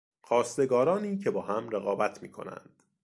خواستگارانی که با هم رقابت میکنند